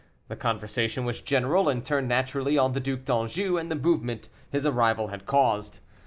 The conversation was general, and turned naturally on the Duc d'Anjou, and the movement his arrival had caused.